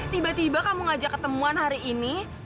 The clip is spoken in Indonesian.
tiba tiba kamu ngajak ketemuan hari ini